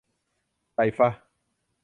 ไรฟะ